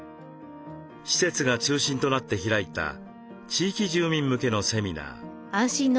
施設が中心となって開いた地域住民向けのセミナー。